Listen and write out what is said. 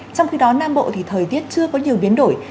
trong khi đó nam bộ thì thời tiết chưa có nhiều biến đổi